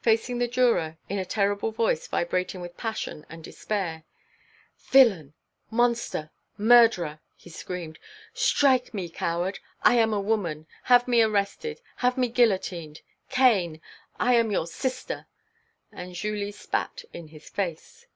Facing the juror, in a terrible voice vibrating with passion and despair: "Villain, monster, murderer!" he screamed. "Strike me, coward! I am a woman! Have me arrested, have me guillotined, Cain! I am your sister," and Julie spat in his face.